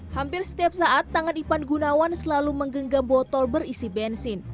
hampir setiap saat tangan ipan gunawan selalu menggenggam botol berisi bensin